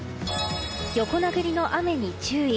横殴りの雨に注意。